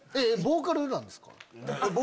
ボーカルなんですか？